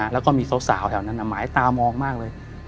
แล้วก็มีสาวแถวนั้นหมายตามองมากเลย